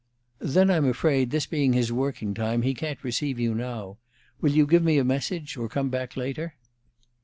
"Then I'm afraid, this being his working time, that he can't receive you now. Will you give me a message, or come back later?"